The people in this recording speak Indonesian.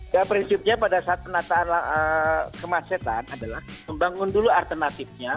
ya prinsipnya pada saat penataan kemacetan adalah membangun dulu alternatifnya